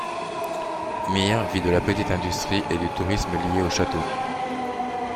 Mir vit de la petite industrie et du tourisme lié au château.